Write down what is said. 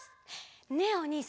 ねえおにいさん。